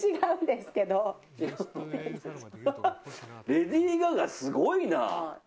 レディー・ガガ、すごいな！